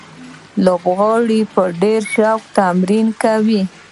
لوبغاړي په ډېر شوق تمرین کوي.